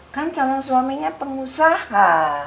kan calon suaminya pengusaha